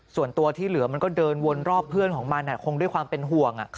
ส่วนตัวที่เหลือมันก็เดินวนรอบเพื่อนของมันคงด้วยความเป็นห่วง